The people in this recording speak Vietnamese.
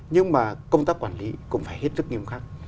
nhưng mà công tác quản lý cũng phải hết sức nghiêm khắc